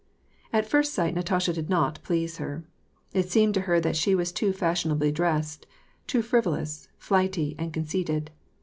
At first sight Natasha did not please her. It seemed to her that she was too fashionably dressed, too frivolous, flighty, and conceited.